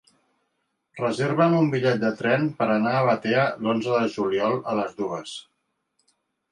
Reserva'm un bitllet de tren per anar a Batea l'onze de juliol a les dues.